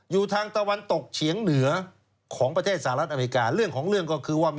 อยู่ทางตะวันตกเฉียงเหนือของประเทศสหรัฐอเวกา